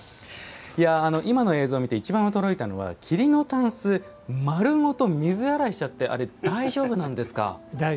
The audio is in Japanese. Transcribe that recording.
今の映像を見ていちばん驚いたのは桐のたんす丸ごと水洗いしちゃって大丈夫です。